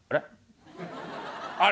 あれ！？